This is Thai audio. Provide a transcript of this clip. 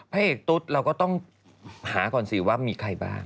พระเอกตุ๊ดเราก็ต้องหาก่อนสิว่ามีใครบ้าง